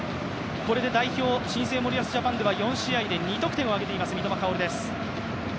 これで代表、新生・森保ジャパンでは２得点を挙げています三笘薫です。